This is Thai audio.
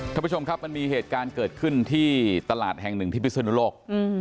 ท่านผู้ชมครับมันมีเหตุการณ์เกิดขึ้นที่ตลาดแห่งหนึ่งที่พิศนุโลก